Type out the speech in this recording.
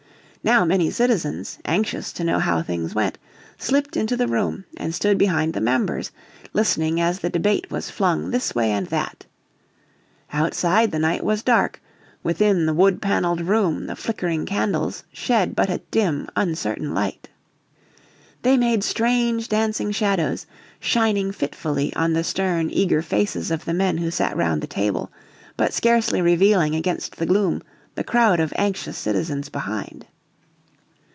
Now many citizens, anxious to know how things went, slipped into the room and stood behind the members, listening as the debate was flung this way and that. Outside the night was dark, within the woodpanelled room the flickering candles shed but a dim, uncertain light. They made strange dancing shadows, shining fitfully on the stern, eager faces of the men who sat round the table, but scarcely revealing against the gloom the crowd of anxious citizens behind.